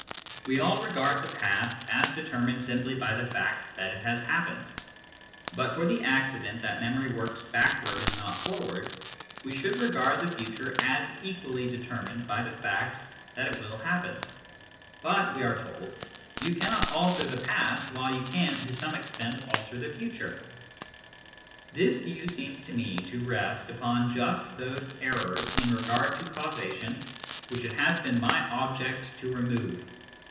We all regard the past as determined simply by the fact that it has happened ; but for the accident that memory works backward and not forward, we should regard the future as equally determined by the fact that it will happen. " But/ we are told, " you cannot alter the past, while you can to some extent alter the future." This view seems to me to rest upon just those errors in regard to causation which it has been my object to remove.